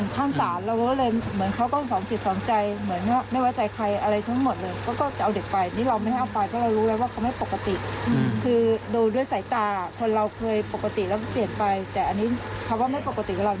ก็เลยคิดว่าอย่าเอาไปอะไรอย่างนี้